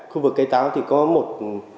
khu vực cây táo thì có một